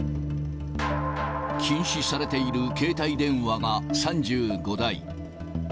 禁止されている携帯電話が３５台。